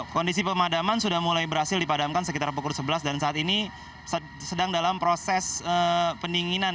kondisi pemadaman sudah mulai berhasil dipadamkan sekitar pukul sebelas dan saat ini sedang dalam proses pendinginan